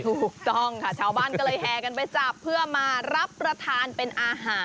ถูกต้องค่ะชาวบ้านก็เลยแห่กันไปจับเพื่อมารับประทานเป็นอาหาร